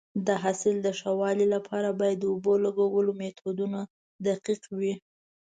د حاصل د ښه والي لپاره باید د اوبو لګولو میتودونه دقیق وي.